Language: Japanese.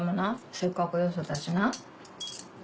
せっかくよそったしな。